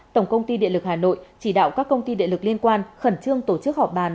tổng công ty điện lực hà nội chỉ đạo các công ty địa lực liên quan khẩn trương tổ chức họp bàn